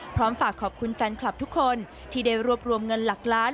ฝากขอบคุณแฟนคลับทุกคนที่ได้รวบรวมเงินหลักล้าน